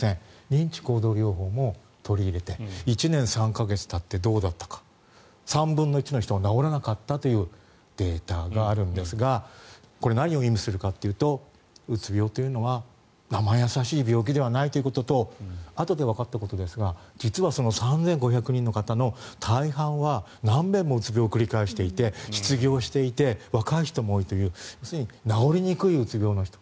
認知行動療法も取り入れて１年３か月たってどうだったか３分の１の人が治らなかったというデータがあるんですがこれは何を意味するかというとうつ病というのは生易しい病気ではないということとあとでわかったことですが実は３５００人の方の大半は何べんもうつ病を繰り返していて失業していて若い人も多いという要するに治りにくいうつ病の人。